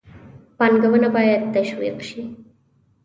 پانګونه باید تشویق شي.